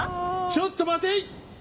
ちょっと待てい！